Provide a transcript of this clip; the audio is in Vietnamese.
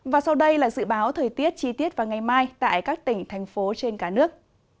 và sau đây là dự báo thời tiết chi tiết vào ngày mai tại các tỉnh thành phố trên cả nước